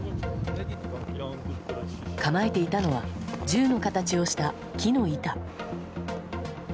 構えていたのは銃の形をした木の板。